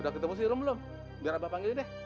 udah ketemu sih rum belum biar abah panggil deh